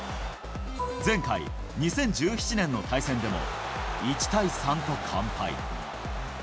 前回・２０１７年の対戦でも、１対３と完敗。